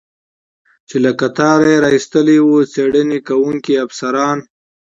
چې له قطاره یې را ایستلی و، څېړنې کوونکي افسران.